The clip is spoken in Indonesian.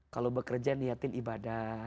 kalau bekerja niatin ibadah